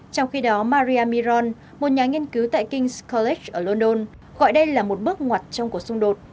trong khi đó maria miron một nhà nghiên cứu tại king scolec ở london gọi đây là một bước ngoặt trong cuộc xung đột